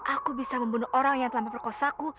aku bisa membunuh orang yang telah memperkosaku